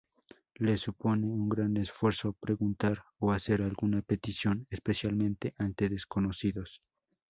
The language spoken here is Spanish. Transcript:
Les supone un gran esfuerzo preguntar o hacer alguna petición, especialmente ante desconocidos.